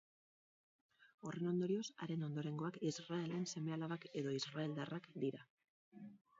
Horren ondorioz, haren ondorengoak Israelen seme-alabak edo israeldarrak dira.